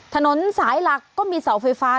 ถนนสายหลักก็มีเสาไฟฟ้า